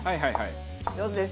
上手です。